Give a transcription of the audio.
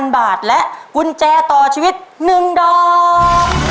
๐๐บาทและกุญแจต่อชีวิต๑ดอก